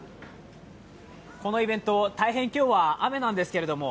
このイベント、大変今日は雨なんですけれども